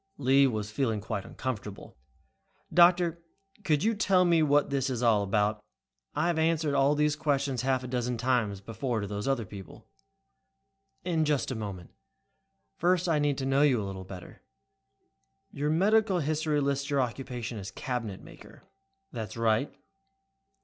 Lee was feeling uncomfortable. "Doctor, could you tell me what this is all about? I must have answered these questions half a dozen times before to those other people." "In just a moment. First I need to know you a little better. Your medical history lists your occupation as 'cabinet maker'." "That's right."